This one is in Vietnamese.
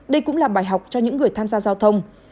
đây cũng là bài học cho những người tham gia giao thông